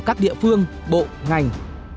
các địa phương bộ ngành